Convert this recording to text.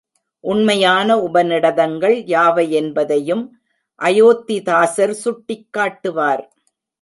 உண்மையான உபநிடதங்கள் யாவையென்பதையும் அயோத்திதாசர் சுட்டிக் காட்டுவார்.